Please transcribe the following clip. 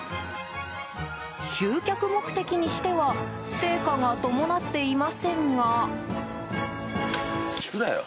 集客目的にしては成果が伴っていませんが。